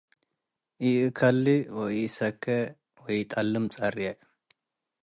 ኢእከልእ ወኢእሰኬ ወኢእጠልም ጸርዬ